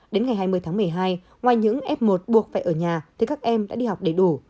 đến ngày hai mươi tháng một mươi hai ngoài những f một buộc phải ở nhà thì các em đã đi học đầy đủ